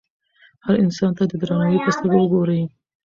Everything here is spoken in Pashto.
هر انسان ته د درناوي په سترګه وګورئ.